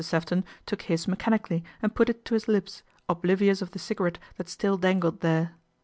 Sefton took his mechanically and put it to his lips, oblivious of the cigarette that still dangled there.